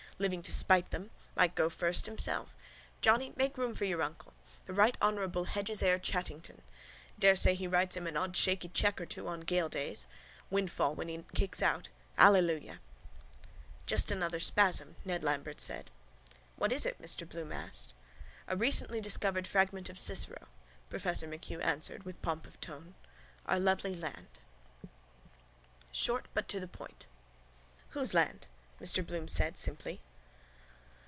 Living to spite them. Might go first himself. Johnny, make room for your uncle. The right honourable Hedges Eyre Chatterton. Daresay he writes him an odd shaky cheque or two on gale days. Windfall when he kicks out. Alleluia. —Just another spasm, Ned Lambert said. —What is it? Mr Bloom asked. —A recently discovered fragment of Cicero, professor MacHugh answered with pomp of tone. Our lovely land. SHORT BUT TO THE POINT —Whose land? Mr Bloom said simply.